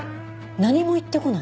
何も言ってこない？